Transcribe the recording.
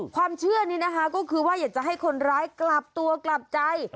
ความเชื่อนี้นะคะก็คือว่าอยากจะให้คนร้ายกลับตัวกลับใจ